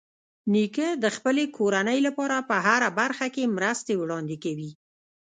نیکه د خپلې کورنۍ لپاره په هره برخه کې مرستې وړاندې کوي.